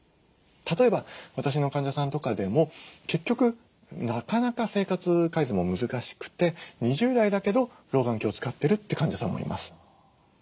例えば私の患者さんとかでも結局なかなか生活改善も難しくて２０代だけど老眼鏡使ってるって患者さんもいます。